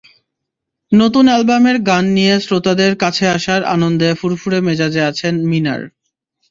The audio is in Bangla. নতুন অ্যালবামের গান নিয়ে শ্রোতাদের কাছে আসার আনন্দে ফুরফুরে মেজাজে আছেন মিনার।